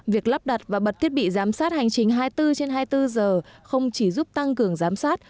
việc lắp đặt và bật thiết bị giám sát hành trình hai mươi bốn trên hai mươi bốn giờ không chỉ giúp tăng cường giám sát